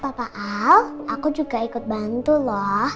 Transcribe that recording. papa al aku juga ikut bantu loh